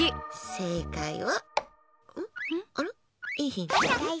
正解は。